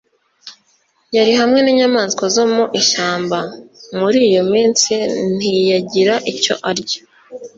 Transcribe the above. Yari hamwe n'inyamaswa zo mu ishyamba.» «Muri iyo minsi ntiyagira icyo arya.»